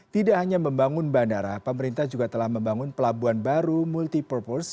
tidak hanya membangun bandara pemerintah juga telah membangun pelabuhan baru multi purpose